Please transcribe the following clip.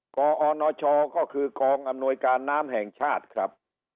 กอนชก็คือกองอำนวยการน้ำแห่งชาติครับ